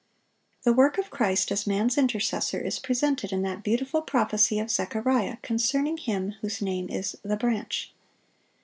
The work of Christ as man's intercessor is presented in that beautiful prophecy of Zechariah concerning Him "whose name is The Branch."